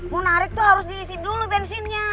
mau narik itu harus diisi dulu bensinnya